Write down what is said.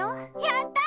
やった。